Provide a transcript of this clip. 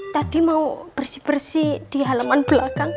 tadi mau bersih bersih di halaman belakang